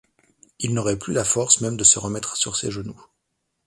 Il n’aurait plus la force même de se remettre sur ses genoux.